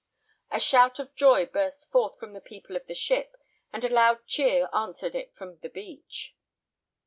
A shout of joy burst forth from the people of the ship, and a loud cheer answered it from the beach.